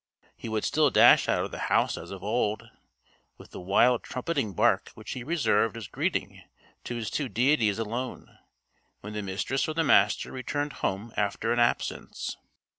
He would still dash out of the house as of old with the wild trumpeting bark which he reserved as greeting to his two deities alone when the Mistress or the Master returned home after an absence.